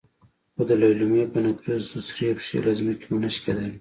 خو د لېلما په نکريزو سرې پښې له ځمکې ونه شکېدلې.